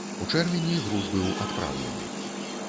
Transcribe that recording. У чэрвені груз быў адпраўлены.